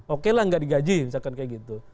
okelah nggak digaji misalkan kayak gitu